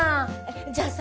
じゃあさ